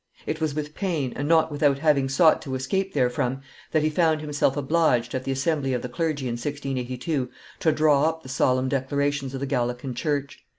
It was with pain, and not without having sought to escape therefrom, that he found himself obliged, at the assembly of the clergy in 1682, to draw up the solemn declarations of the Gallican church.